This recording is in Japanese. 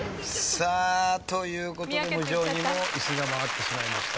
さあという事で無常にもイスが回ってしまいました。